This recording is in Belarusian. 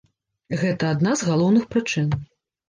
Гэта адна з галоўных прычын.